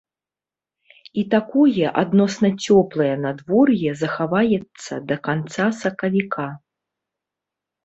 І такое адносна цёплае надвор'е захаваецца да канца сакавіка.